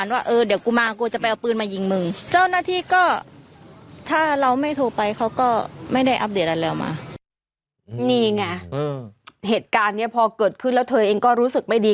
นี่ไงเหตุการณ์นี้พอเกิดขึ้นแล้วเธอเองก็รู้สึกไม่ดี